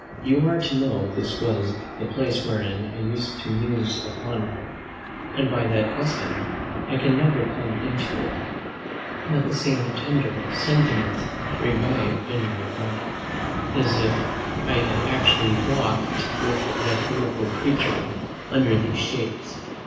You are to know this was the place wherein I used to muse upon her; and by that custom I can never come into it, but the same tender sentiments revive in my mind, as if I had actually walked with that beautiful creature under these shades.